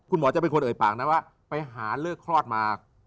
คุณหมอจะเป็นคนเอ่ยปากนะว่าไปหาเลิกคลอดมา